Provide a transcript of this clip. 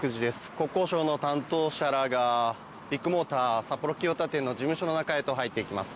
国交所の担当者らがビッグモーター札幌清田店の事務所の中へと入っていきます。